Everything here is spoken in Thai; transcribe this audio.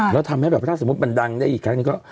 แล้วทำให้แบบถ้าสมมุติมันดังได้อีกครั้งหนึ่งก็